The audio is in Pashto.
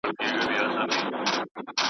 یا د شپې یا به سبا بیرته پیدا سو .